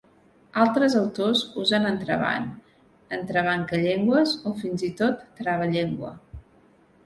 Altres autors usen entrebanc, entrebancallengües o fins i tot travallengua.